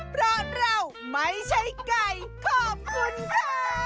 เพราะเราไม่ใช่ไก่ขอบคุณค่ะ